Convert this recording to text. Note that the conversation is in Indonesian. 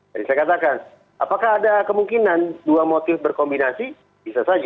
jadi saya katakan apakah ada kemungkinan dua motif berkombinasi bisa saja